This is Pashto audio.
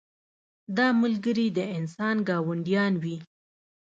دا ملګري د انسان ګاونډیان وي.